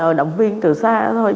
ờ động viên từ xa thôi